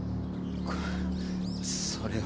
５それは。